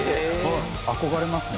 憧れますね。